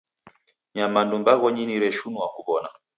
Nyamandu mbaghonyi nireshinua kuwona.